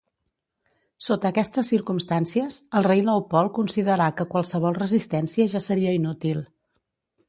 Sota aquestes circumstàncies, el rei Leopold considerà que qualsevol resistència ja seria inútil.